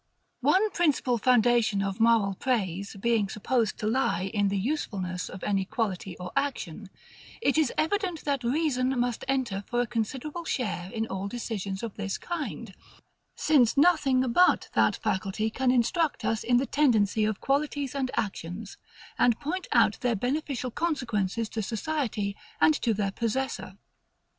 One principal foundation of moral praise being supposed to lie in the usefulness of any quality or action, it is evident that REASON must enter for a considerable share in all decisions of this kind; since nothing but that faculty can instruct us in the tendency of qualities and actions, and point out their beneficial consequences to society and to their possessor.